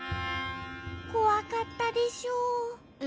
こわかったでしょう。